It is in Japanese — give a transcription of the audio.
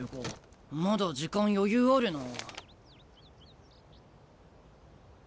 まだ時間余裕あるな。